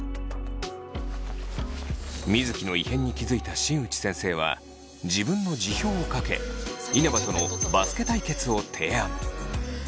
水城の異変に気付いた新内先生は自分の辞表をかけ稲葉とのバスケ対決を提案。